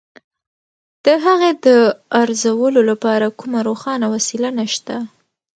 د هغې د ارزولو لپاره کومه روښانه وسیله نشته.